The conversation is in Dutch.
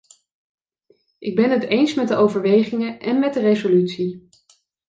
Ik ben het eens met de overwegingen en met de resolutie.